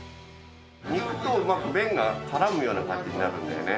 肉とうまく麺がからむような感じになるんだよね。